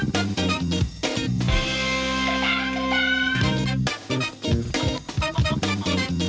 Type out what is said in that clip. ก็ถูกไงเรื่องนี้